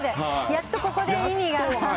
やっとここで意味が？